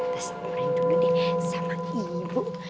tersebut itu nih sama ibu